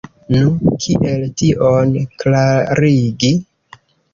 Nu, kiel tion klarigi?